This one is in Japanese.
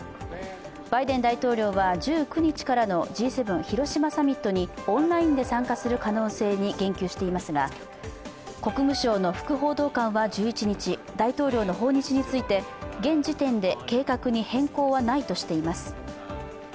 バイデン大統領は１９日からのＧ７広島サミットにオンラインで参加する可能性に言及していますが、国務省の副報道官は１１日、大統領の訪日について現時点で計画に変更はないとしています。